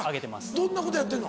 どんなことやってんの？